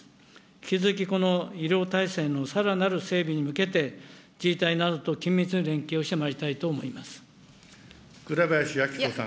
引き続きこの医療体制のさらなる整備に向けて、自治体などと緊密に連携をしてまいりたいと思いま倉林明子さん。